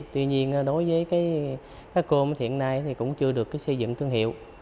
tuy nhiên đối với cá cơm hiện nay cũng chưa được xây dựng thương hiệu